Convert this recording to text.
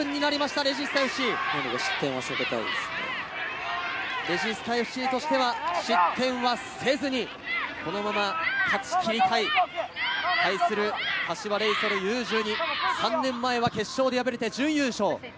レジスタＦＣとしては失点はせずに、このまま勝ち切りたい。対する柏レイソルＵー１２、３年前は決勝で敗れて準優勝。